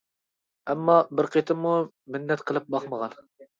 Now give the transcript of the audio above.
ئەمما بىر قېتىممۇ مىننەت قىلىپ باقمىغان.